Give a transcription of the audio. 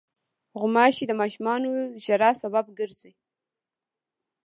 غوماشې د ماشومو ژړا سبب ګرځي.